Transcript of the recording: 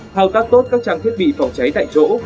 thao tác tốt các trang thiết bị phòng cháy tại chỗ